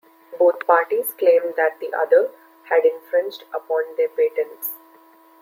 Both parties claimed that the other had infringed upon their patents.